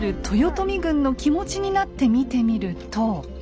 豊臣軍の気持ちになって見てみると。